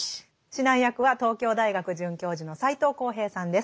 指南役は東京大学准教授の斎藤幸平さんです。